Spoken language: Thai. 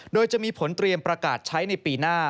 โดยจะมีผลเตรียมประกาศใช้ในปีหน้า